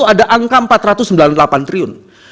ada angka rp empat ratus sembilan puluh delapan triliun